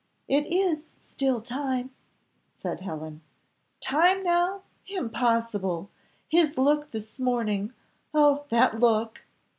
"It is still time," said Helen. "Time now? impossible. His look this morning. Oh! that look!"